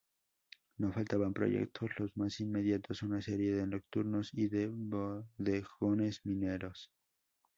No faltan proyectos, los más inmediatos una serie de nocturnos y de bodegones mineros.